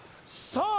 さあ